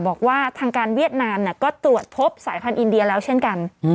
บอกว่าทางการเวียดนามก็ตรวจพบสายพันธ์อินเดียแล้วเช่นกัน